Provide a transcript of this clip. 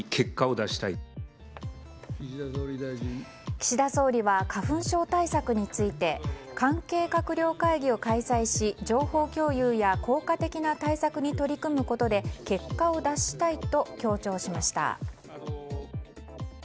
岸田総理は花粉症対策について関係閣僚会議を開催し情報共有や効果的な対策に取り組むことで結果を出したいと強調しました。